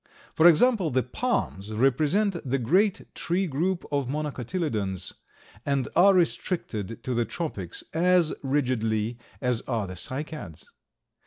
For example, the palms represent the great tree group of Monocotyledons, and are restricted to the tropics as rigidly as are the Cycads.